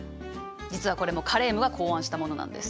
実はこれもカレームが考案したものなんです。